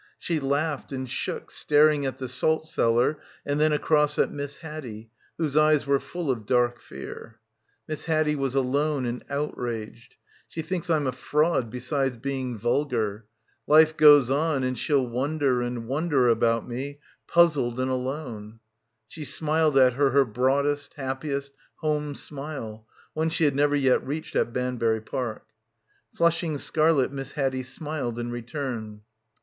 She laughed and shook staring at the salt cellar and then across at Miss Haddie whose eyes were full of dark fear. Miss Haddie was alone and outraged. "She thinks Pm a fraud besides being vulgar ... life goes on and she'll wonder and wonder about me puzzled and alone.' ... She smiled at her her broadest, happiest, home smile, one she had never yet reached at Ban bury Park. Flushing scarlet Miss Haddie smiled in return.